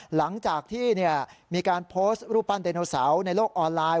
หลังจากที่มีการโพสต์รูปปั้นไดโนเสาร์ในโลกออนไลน์